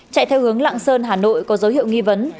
chạy theo hướng lạng sơn hà nội có dấu hiệu nghi vấn